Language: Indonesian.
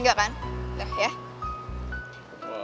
gak like kalau kayak begini sayang